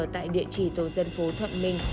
tại địa chỉ tổ dân phố thuận minh